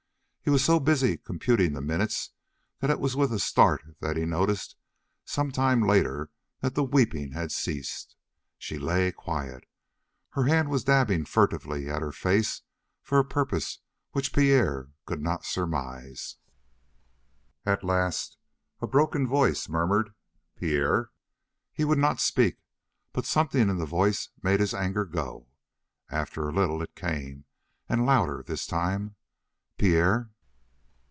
He was so busy computing the minutes that it was with a start that he noticed some time later that the weeping had ceased. She lay quiet. Her hand was dabbing furtively at her face for a purpose which Pierre could not surmise. At last a broken voice murmured: "Pierre!" He would not speak, but something in the voice made his anger go. After a little it came, and louder this time: "Pierre?"